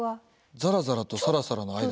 ザラザラとサラサラの間。